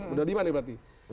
udah lima nih berarti